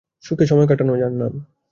সুখে সময় কাটানো যার নাম।